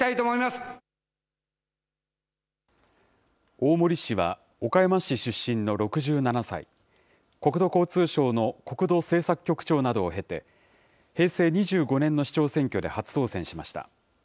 大森氏は、岡山市出身の６７歳、国土交通省の国土政策局長などを経て、平成２５年の市長選挙で初当選しました。